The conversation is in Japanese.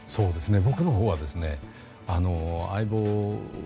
僕のほうは「相棒」